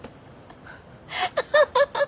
アハハハハ。